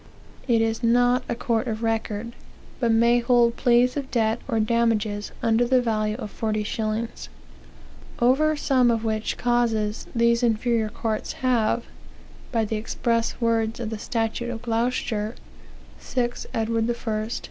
It is not a court of record, but may hold pleas of debt, or damages, under the value of forty shillings; over some of which causes these inferior courts have, by the express words of the statute of Gloucester, (6 Edward I., eh.